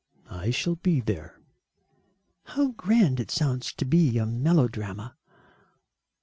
"I shall be there." "How grand it sounds to be a melodrama."